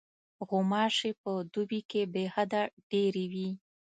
غوماشې په دوبي کې بېحده ډېرې وي.